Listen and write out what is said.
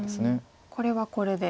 これはこれで。